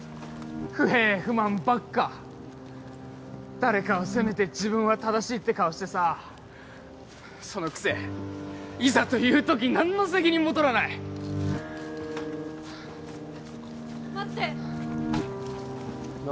不平不満ばっか誰かを責めて自分は正しいって顔してさそのくせいざという時何の責任もとらない待って何？